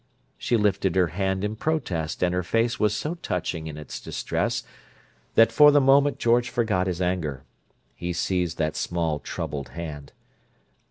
She lifted her hand in protest, and her face was so touching in its distress that for the moment George forgot his anger. He seized that small, troubled hand.